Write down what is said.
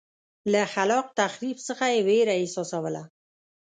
له خلاق تخریب څخه یې وېره احساسوله.